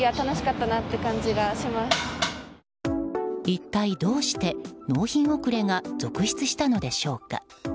一体どうして納品遅れが続出したのでしょうか。